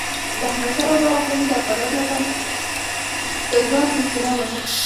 د احمد شاه بابا واکمني د افغانانو لپاره د ځواک سرچینه وه.